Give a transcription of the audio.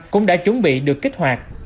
cũng đã chuẩn bị được kích hoạt